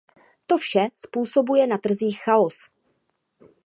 To vše způsobuje na trzích chaos.